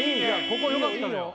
ここよかったのよ